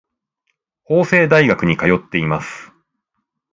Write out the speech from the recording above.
法政大学に通っています。